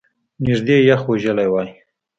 نژدې یخ وژلی وای !